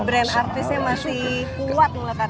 brand artisnya masih kuat